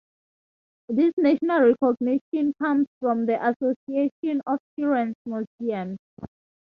This national recognition comes from the Association of Children's Museums.